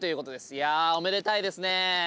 いやおめでたいですね。